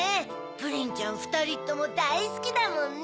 プリンちゃんふたりともだいすきだもんね。